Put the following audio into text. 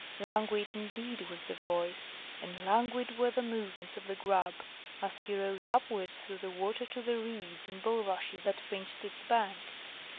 Languid, indeed, was the voice, and languid were the movements of the Grub, as he rose upwards through the water to the reeds and bulrushes that fringed its bank.